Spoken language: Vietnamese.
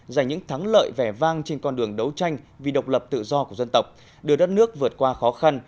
giành những thắng lợi vẻ vang trên con đường đấu tranh vì độc lập tự do của dân tộc đưa đất nước vượt qua khó khăn